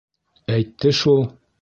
Әйтте шул.